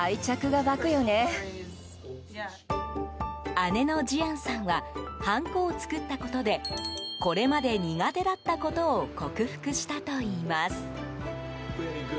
姉のジアンさんはハンコを作ったことでこれまで苦手だったことを克服したといいます。